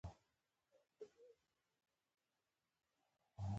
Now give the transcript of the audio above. ایس میکس ورته ګوته ونیوله